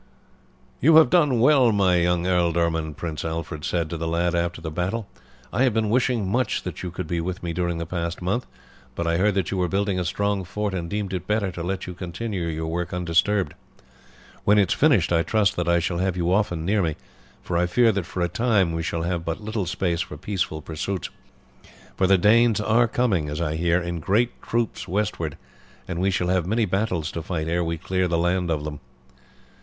"You have done well, my young ealdorman," Prince Alfred said to the lad after the battle. "I have been wishing much that you could be with me during the past month, but I heard that you were building a strong fort and deemed it better to let you continue your work undisturbed. When it is finished I trust that I shall have you often near me; but I fear that for a time we shall have but little space for peaceful pursuits, for the Danes are coming, as I hear, in great troops westward, and we shall have many battles to fight ere we clear the land of them."